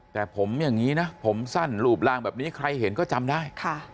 แต่ผมสั้นรูปร่างแบบนี้ใครเห็นก็จำได้